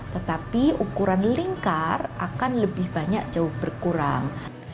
maka tubuh yang lebih besar akan jauh lebih banyak berkurang